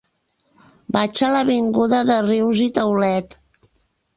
Vaig a l'avinguda de Rius i Taulet.